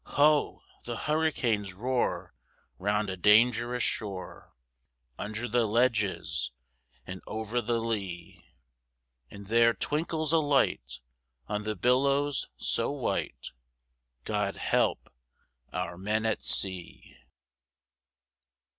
Ho! the hurricanes roar round a dangerous shore, Under the ledges and over the lea; And there twinkles a light on the billows so white God help our men at sea!